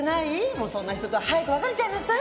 もうそんな人とは早く別れちゃいなさい。